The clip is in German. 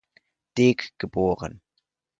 Deeg geboren.